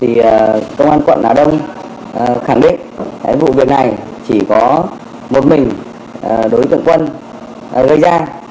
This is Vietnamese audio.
thì công an quận hà đông khẳng định cái vụ việc này chỉ có một mình đối tượng quân gây ra